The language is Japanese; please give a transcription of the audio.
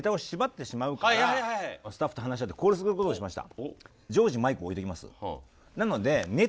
スタッフと話し合ってこうすることにしました。